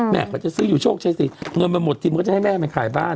แม่ก็จะซื้ออยู่โชคใช้สิเงินมันหมดทีมก็จะให้แม่มาขายบ้าน